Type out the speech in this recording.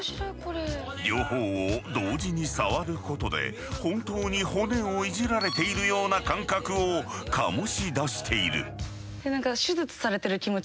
両方を同時に触ることで本当に骨をいじられているような感覚を醸し出している。